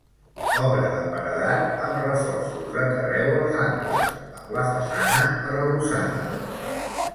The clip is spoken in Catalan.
Obra de paredat amb reforços de carreu als angles, amb la façana arrebossada.